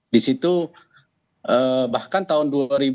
di situ bahkan tahun dua ribu dua puluh tiga